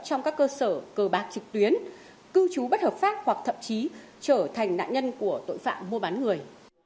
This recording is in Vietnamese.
trong các cơ sở cờ bạc trực tuyến cư trú bất hợp pháp hoặc thậm chí trở thành nạn nhân của tội phạm mua bán người